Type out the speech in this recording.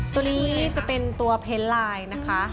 ตัวนี้จะเป็นตัวเพ้นลายนะคะ